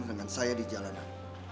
dengan saya di jalanan